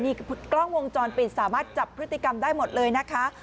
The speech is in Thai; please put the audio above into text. นี่กล้องวงจรปิดสามารถจับพฤติกรรมได้หมดเลยนะคะ